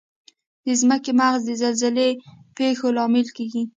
د ځمکې مغز د زلزلې پېښو لامل کیږي.